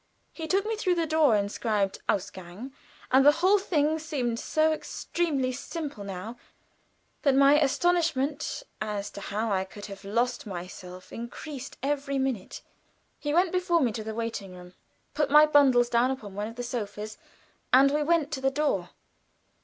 He took me through the door inscribed Ausgang, and the whole thing seemed so extremely simple now, that my astonishment as to how I could have lost myself increased every minute. He went before me to the waiting room, put my bundles upon one of the sofas, and we went to the door.